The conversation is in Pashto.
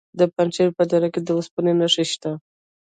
د پنجشیر په دره کې د اوسپنې نښې شته.